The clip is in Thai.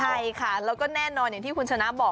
ใช่ค่ะแล้วก็แน่นอนอย่างที่คุณชนะบอก